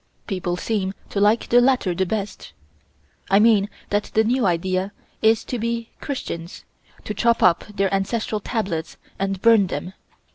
People seem to like the latter the best. I mean that the new idea is to be Christians, to chop up their Ancestral Tablets and burn them.